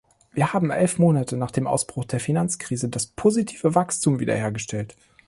Wir haben elf Monate nach dem Ausbruch der Finanzkrise das positive Wachstum wieder hergestellt.